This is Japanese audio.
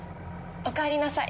おかえりなさい。